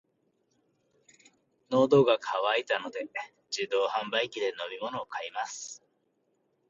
喉が渇いたので、自動販売機で飲み物を買います。